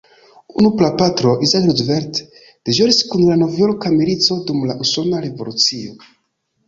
Unu prapatro, Isaac Roosevelt, deĵoris kun la novjorka milico dum la Usona Revolucio.